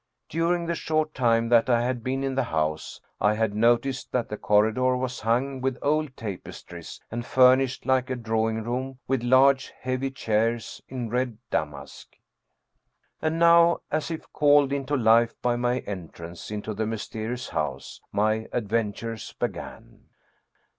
During the short time that I had been in the house I had noticed that the corridor was hung with old tapestries and furnished like a drawing room with large, heavy chairs in red damask. And now, as if called into life by my entrance into the mysterious house, my adventures began.